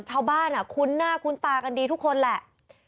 ชาวบ้านอ่ะคุ้นหน้าคุ้นตากันดีทุกคนแหละ